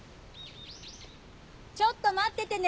ちょっと待っててね！